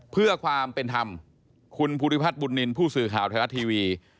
เพื่อความเป็นธรรมคุณภูริพัฒน์บุญนินทร์ผู้สื่อข่าวไทยรัฐทีวี